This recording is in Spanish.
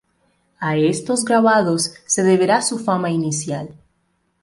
A estos grabados se deberá su fama inicial.